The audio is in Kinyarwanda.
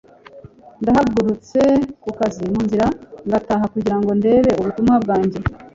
Nahagaritse ku kazi mu nzira ngataha kugira ngo ndebe ubutumwa bwanjye